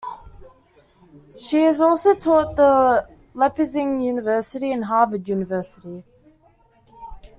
She has also taught at Leipzig University and Harvard University.